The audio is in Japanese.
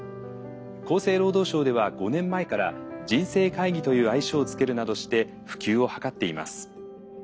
厚生労働省では５年前から“人生会議”という愛称を付けるなどして普及を図っています。